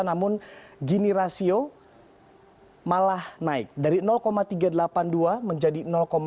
namun gini rasio malah naik dari tiga ratus delapan puluh dua menjadi empat ratus dua puluh lima